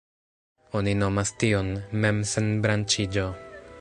Oni nomas tion „mem-senbranĉiĝo“.